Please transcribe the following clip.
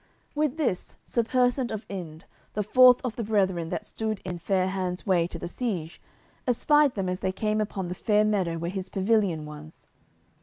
With this Sir Persant of Inde, the fourth of the brethren that stood in Fair hands' way to the siege, espied them as they came upon the fair meadow where his pavilion was.